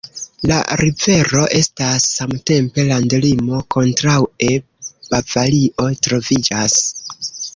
La rivero estas samtempe landlimo, kontraŭe Bavario troviĝas.